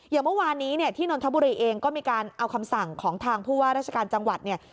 อย่างเมื่อวานนี้เนี่ยที่นนทบุรีเองก็มีการเอาคำสั่งของทางผู้ว่าราชการจังหวัดเนี่ย